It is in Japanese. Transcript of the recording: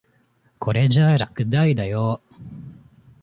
これじゃ落第だよ。